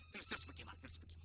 terus terus pergi mas terus pergi